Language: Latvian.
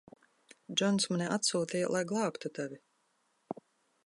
Džons mani atsūtīja, lai glābtu tevi.